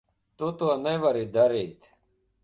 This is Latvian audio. Tu to nevari darīt.